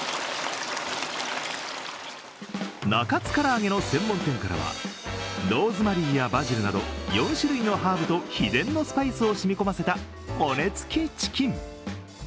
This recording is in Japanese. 中津唐揚げの専門店からはローズマリーやバジルなどの４種類のハーブと秘伝のスパイスを染み込ませた骨付きチキン。